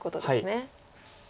はい。